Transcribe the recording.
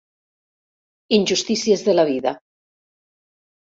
Injustícies de la vida.